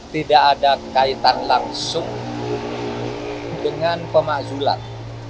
tidak ada kaitan langsung dengan pemakzulan